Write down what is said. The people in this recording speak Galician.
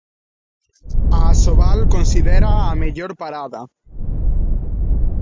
A Asobal considéraa a mellor parada.